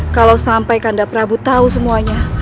kalau sampai kanda prabu tahu semuanya